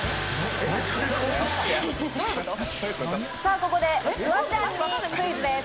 ここでフワちゃんにクイズです。